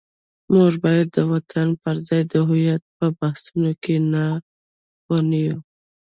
موږ باید د وطن پر ځای د هویت په بحثونو کې نه ونیو.